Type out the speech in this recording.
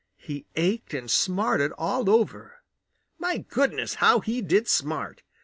He ached and smarted all over. My goodness, how he did smart!